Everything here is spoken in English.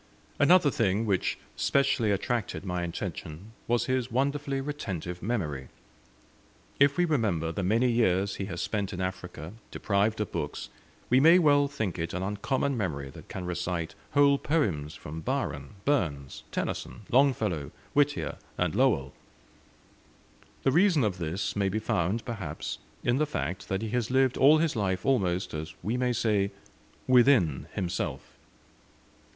Another thing which specially attracted my attention was his wonderfully retentive memory. If we remember the many years he has spent in Africa, deprived of books, we may well think it an uncommon memory that can recite whole poems from Byron, Burns, Tennyson, Longfellow, Whittier, and Lowell. The reason of this may be found, perhaps, in the fact, that he has lived all his life almost, we may say, within himself.